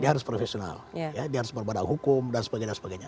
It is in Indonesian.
dia harus profesional dia harus berbadan hukum dan sebagainya